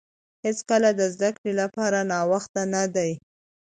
هیڅکله د زده کړې لپاره ناوخته نه دی.